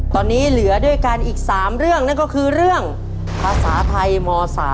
ตอนนี้เหลือด้วยกันอีก๓เรื่องนั่นก็คือเรื่องภาษาไทยม๓